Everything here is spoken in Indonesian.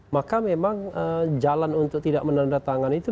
maka memang jalan untuk tidak menandatangan itu